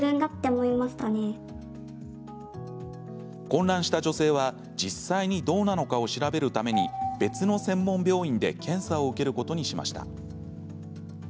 混乱した女性は実際にどうなのかを調べるために別の専門病院で検査を受けることにしました。